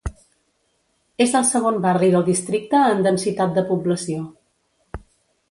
És el segon barri del districte en densitat de població.